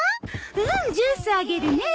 ジュースあげるね。